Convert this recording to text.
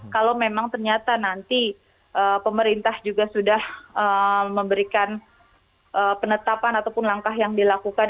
kalau memang ternyata nanti pemerintah juga sudah memberikan penetapan ataupun langkah yang dilakukan